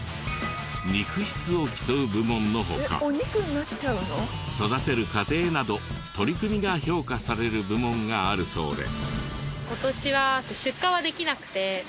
肉質を競う部門の他育てる過程など取り組みが評価される部門があるそうで。